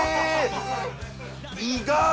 意外！